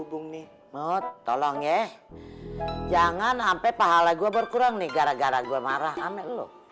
hubung nih mau tolong ya jangan sampai pahala gua berkurang nih gara gara gua marah amel lo